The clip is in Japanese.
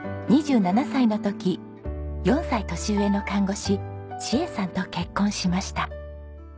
２７歳の時４歳年上の看護師千恵さんと結婚しました。